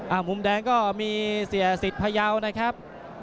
มุมแดงก็มีเสียสิทธิ์พยาวนะครับ